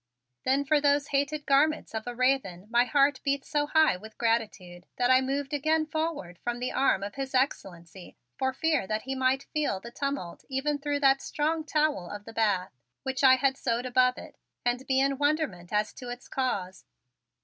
Then for those hated garments of a raven my heart beat so high with gratitude that I moved again forward from the arm of His Excellency for fear that he might feel the tumult even through that strong towel of the bath which I had sewed above it, and be in wonderment as to its cause.